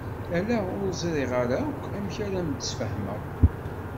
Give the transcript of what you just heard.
Ala! Ur ẓriɣ ara akk amek ara ad am-d-sfahmeɣ.